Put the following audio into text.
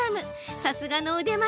さすがの腕前。